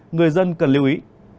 người dân cần lưu ý